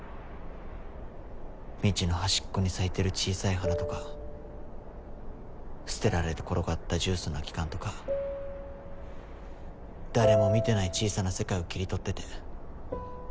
道の端っこに咲いてる小さい花とか捨てられて転がったジュースの空き缶とか誰も見てない小さな世界を切り取ってて。